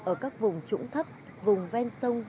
ở các vùng trũng thấp vùng ven sông